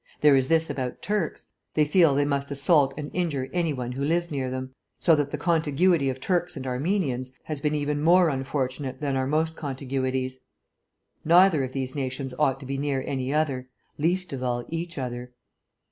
There is this about Turks: they feel they must assault and injure any one who lives near them. So that the contiguity of Turks and Armenians has been even more unfortunate than are most contiguities. Neither of these nations ought to be near any other, least of all each other.